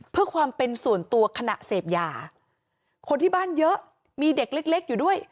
เพื่อความเป็นส่วนตัวขณะเสพยาคนที่บ้านเยอะมีเด็กเล็กเล็กอยู่ด้วย